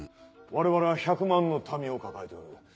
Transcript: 我々は１００万の民を抱えておる。